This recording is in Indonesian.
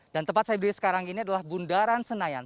dan tempat saya beli sekarang ini adalah bundaran senayan